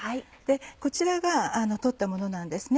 こちらが取ったものなんですね。